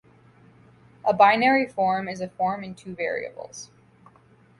A binary form is a form in two variables.